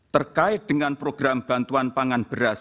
terkait dengan program bantuan pangan beras